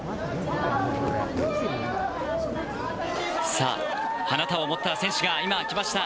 さあ花束を持った選手が今来ました。